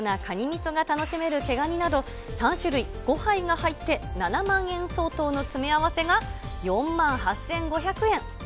みそが楽しめる毛ガニなど、３種類５はいが入って７万円相当の詰め合わせが、４万８５００円。